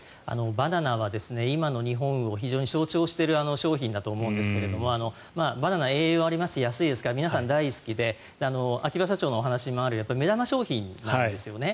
バナナは今の日本を非常に象徴している商品だと思うんですがバナナは栄養がありますし安いですから皆さん大好きで秋葉社長のお話にもあるように目玉商品なわけですよね。